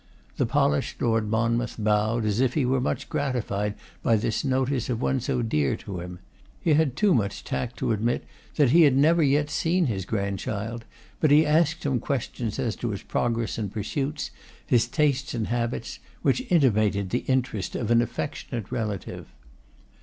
The polished Lord Monmouth bowed as if he were much gratified by this notice of one so dear to him. He had too much tact to admit that he had never yet seen his grandchild; but he asked some questions as to his progress and pursuits, his tastes and habits, which intimated the interest of an affectionate relative.